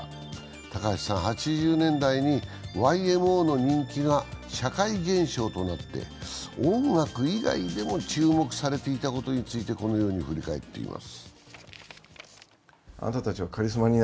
高橋さんは８０年代にＹＭＯの人気が社会現象になって音楽以外でも注目されていたことについて、このように振り返っています。